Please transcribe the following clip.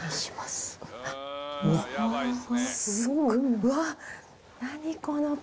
うわっ！